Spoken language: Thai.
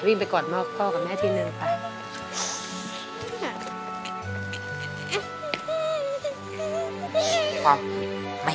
วิ่งไปกอดมาพ่อกับแม่ทีหนึบไป